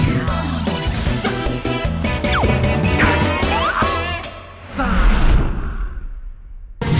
อย่าให้คอยเกิด